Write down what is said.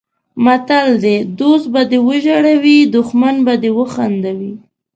متل دی: دوست به دې وژړوي دښمن به دې وخندوي.